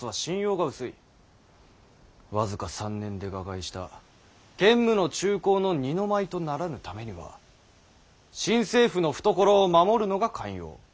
僅か３年で瓦解した建武の中興の二の舞とならぬためには新政府の懐を守るのが肝要。